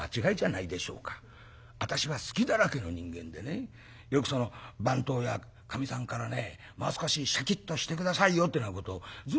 私は隙だらけの人間でねよく番頭やかみさんからねもう少しシャキッとして下さいよってなことをずっと言われてんですから」。